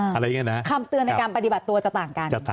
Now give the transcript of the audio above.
ความเตือนในการปฏิบัติตัวจะต่างกัน